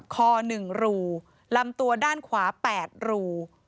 คอ๑รูลำตัวด้านขวา๘รู